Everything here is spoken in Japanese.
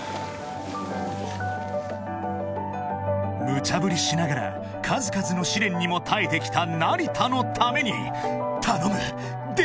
［ムチャぶりしながら数々の試練にも耐えてきた成田のために頼む出てくれオーロラ！］